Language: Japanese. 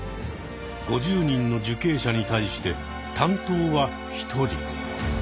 ５０人の受刑者に対して担当は１人。